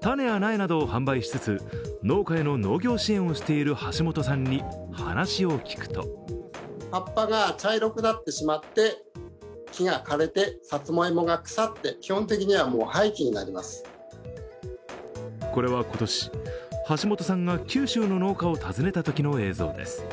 種や苗などを販売しつつ農家への農業支援をしている橋本さんに話を聞くこれは今年、橋本さんが九州の農家を訪ねたときの映像です。